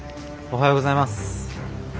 おはようございます。